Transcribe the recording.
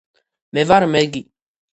მე ვარ მეგი